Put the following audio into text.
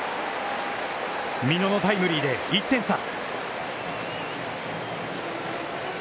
美濃のタイムリーで１点差。